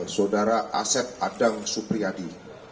saudara asep adang supriyadi